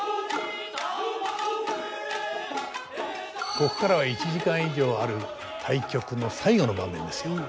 ここからは１時間以上ある大曲の最後の場面ですよ。